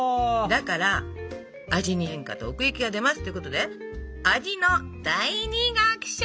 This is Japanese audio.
だから味に変化と奥行きが出ますっていうことで味の第二楽章！